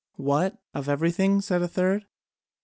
"What? Of everything?" said a third.